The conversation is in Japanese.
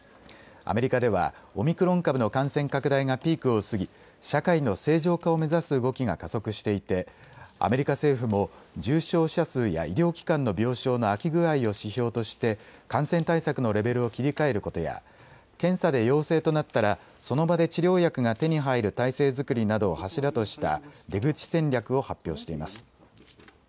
アメリカではオミクロン株の感染拡大がピークを過ぎ社会の正常化を目指す動きが加速していてアメリカ政府も重症者数や医療機関の病床の空き具合を指標として感染対策のレベルを切り替えることや検査で陽性となったら、その場で治療薬が手に入る態勢作りなどを柱とした出口戦略を発表しています。